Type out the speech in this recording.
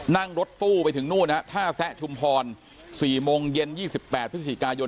นั่งรถตู้ไปถึงนู่นนะฮะท่าแสะชุมพรสี่โมงเย็นยี่สิบแปดพฤษฐกายน